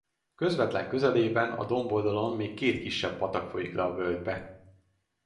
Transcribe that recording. Közvetlen közelében a domboldalon még két kisebb patak folyik le a völgybe.